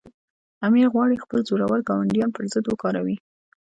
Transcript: امیر غواړي خپل زورور ګاونډیان پر ضد وکاروي.